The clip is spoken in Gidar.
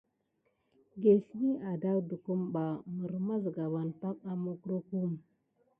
Gewedi tampak adawdukumbà mokone nà ɗalà ɗiɗa nalan ɗefe ɗemte.